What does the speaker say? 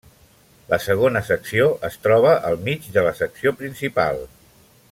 La segona secció es troba al mig de la secció principal.